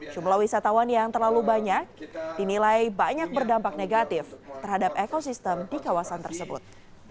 jumlah wisatawan yang terlalu banyak dinilai banyak berdampak negatif terhadap ekosistem di kawasan tersebut